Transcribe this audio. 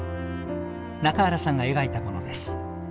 中原さんが描いたものです。